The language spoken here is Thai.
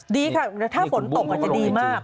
ดีค่ะถ้าฝนตกอาจจะดีมาก